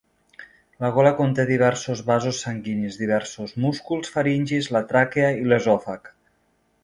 La gola conté diversos vasos sanguinis, diversos músculs faringis, la tràquea i l'esòfag.